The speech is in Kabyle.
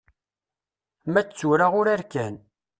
Ma d tura urar kan.